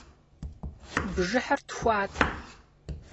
Бжыхьыр тхуат.